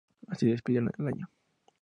Así despidieron el año.